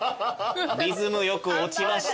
リズム良く落ちました。